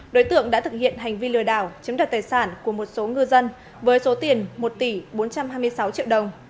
đối tượng đã thực hiện hành vi lừa đảo chiếm đoạt tài sản của một số ngư dân với số tiền một tỷ bốn trăm hai mươi sáu triệu đồng